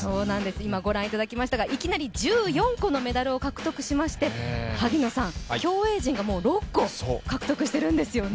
今ご覧いただきましたがいきなり１４個のメダルを獲得しまして、競泳陣が、もう６個獲得しているんですよね。